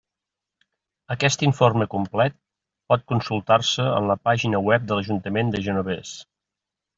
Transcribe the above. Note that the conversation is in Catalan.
Aquest informe complet pot consultar-se en la pàgina web de l'Ajuntament de Genovés.